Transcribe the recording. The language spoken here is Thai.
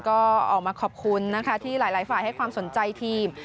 ก็ออกมาขอบคุณนะคะที่หลายฝ่ายให้ความสนใจทีม